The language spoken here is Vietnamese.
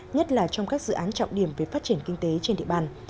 nhất là trong các dự án trọng điểm về phát triển kinh tế trên địa bàn